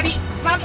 biar apa tadi